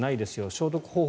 消毒方法